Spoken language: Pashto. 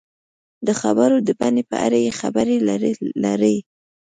د خبرو د بڼې په اړه یې خبرې لري.